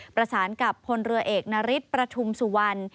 ประสานกับพลเรือเอกนาริสประทุมสุวรรณ